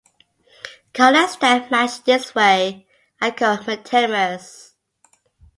Colors that match this way are called metamers.